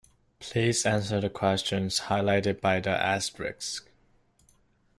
Please answer the questions highlighted by the asterisk.